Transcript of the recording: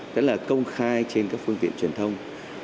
tức là công khai trên các phương tiện truyền thông